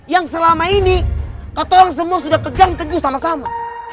yang selama ini kamu semua sudah kejam keju sama sama